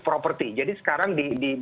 property jadi sekarang di